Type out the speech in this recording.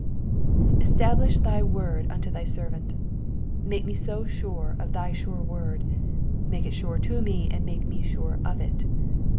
^ establish thy word unto thy servant,*^ Make me sure of thy sure word : make it sure to me and make me sure of it.